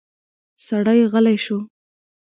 سړی غلی شو.